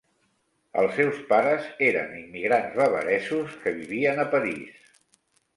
Els seus pares eren immigrants bavaresos que vivien a París.